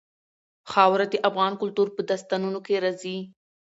خاوره د افغان کلتور په داستانونو کې راځي.